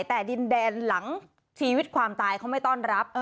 แต่ดินแดนหลังชีวิตความตายเขาไม่ต้อนรับ